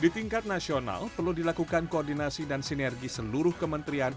di tingkat nasional perlu dilakukan koordinasi dan sinergi seluruh kementerian